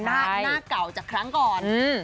หน้าเก่าจากครั้งก่อน